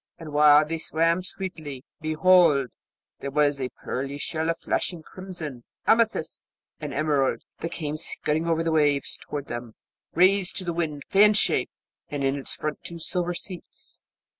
And while they swam sweetly, behold, there was seen a pearly shell of flashing crimson, amethyst, and emerald, that came scudding over the waves toward them, raised to the wind, fan shaped, and in its front two silver seats.